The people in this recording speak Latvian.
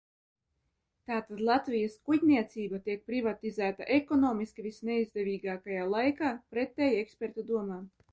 "Tātad "Latvijas kuģniecība" tiek privatizēta ekonomiski visneizdevīgākajā laikā, pretēji ekspertu domām."